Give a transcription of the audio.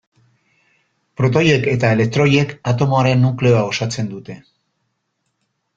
Protoiek eta elektroiek atomoaren nukleoa osatzen dute.